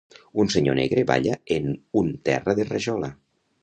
Un senyor negre balla en un terra de rajola.